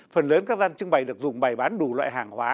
phần lớn các gian trưng bày được dùng bày bán đủ loại hàng hóa